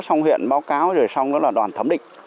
xong huyện báo cáo rồi xong nó là đoàn thẩm định